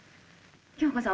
京子さん